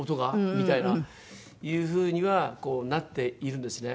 みたいないう風にはこうなっているんですね。